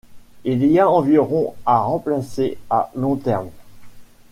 Il y a environ à remplacer à long terme.